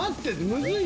むずい。